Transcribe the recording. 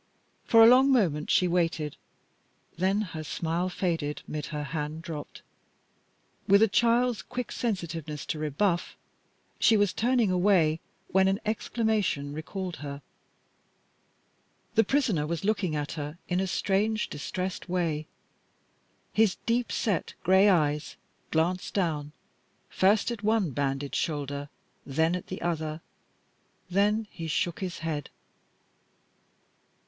For a long moment she waited, then her smile faded mid her hand dropped. With a child's quick sensitiveness to rebuff, she was turning away when an exclamation recalled her. The prisoner was looking at her in a strange, distressed way; his deep set gray eyes glanced down first at one bandaged shoulder, then at the other, then he shook his head.